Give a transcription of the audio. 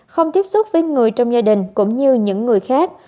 không tiếp xúc với người trong gia đình cũng như những người khác